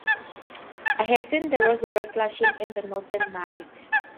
I have seen the rosy red flushing in the northern night.